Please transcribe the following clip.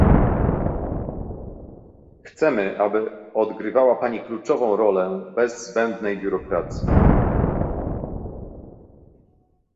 Chcemy, aby odgrywała pani kluczową rolę bez zbędnej biurokracji